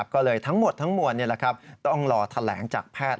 ก็เลยทั้งหมดทั้งมวลต้องรอแถลงจากแพทย์